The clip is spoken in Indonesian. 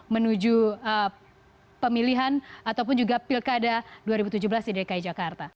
menuju pemilihan ataupun juga pilkada dua ribu tujuh belas di dki jakarta